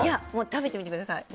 食べてみてください。